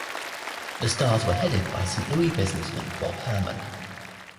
The Stars were headed by Saint Louis businessman Bob Hermann.